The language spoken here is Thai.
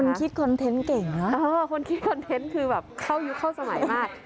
คุณคิดคอนเทนต์เก่งนะคนคิดคอนเทนต์คือแบบเข้ายุคเข้าสมัยมาก